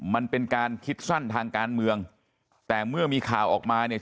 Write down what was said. มันเป็นการคิดสั้นทางการเมืองแต่เมื่อมีข่าวออกมาเนี่ย